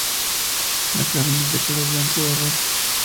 La carne es de color blanco o rojo.